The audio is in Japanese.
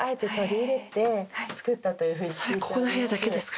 それここの部屋だけですか？